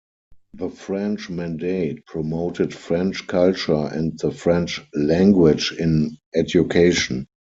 The French mandate promoted French culture and the French language in education.